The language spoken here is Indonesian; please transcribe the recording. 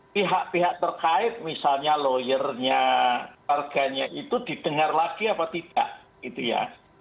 pihak pihak terkait misalnya lawyernya warganya itu didengar lagi apa tidak gitu ya